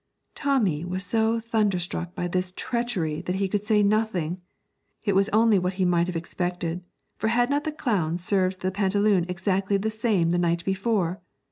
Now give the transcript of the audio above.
Tommy was so thunderstruck by this treachery that he could say nothing. It was only what he might have expected, for had not the clown served the pantaloon exactly the same the night before?